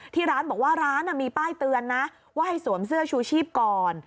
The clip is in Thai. ที่ร้านบอกว่าร้านมีป้ายเตือนนะว่าให้สวมเสื้อชูชีพก่อน